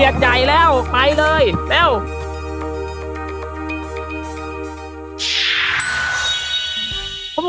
สวัสดีครับ